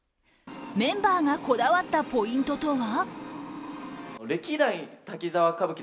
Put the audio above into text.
メンバーがこだわったポイントとは？